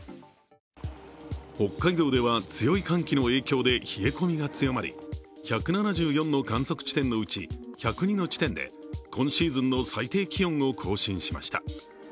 北海道では強い寒気の影響で冷え込みが強まり１７４の観測地点のうち１０２の地点で今シーズンの最低気温を更新しました。